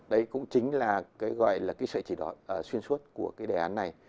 đấy cũng chính là sợi chỉ đoạn xuyên suốt của đề án này